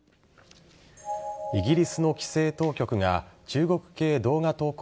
イギリスの規制当局が中国系動画投稿